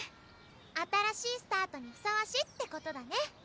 新しいスタートにふさわしいってことだね。